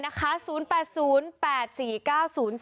โทรหาป้าเลยนะคะ๐๘๐๘๔๙๐๒๔๓